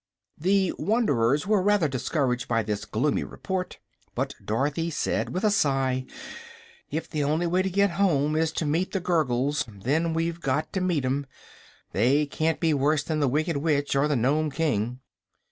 The wanderers were rather discouraged by this gloomy report, but Dorothy said with a sigh: "If the only way to get home is to meet the Gurgles, then we've got to meet 'em. They can't be worse than the Wicked Witch or the Nome King."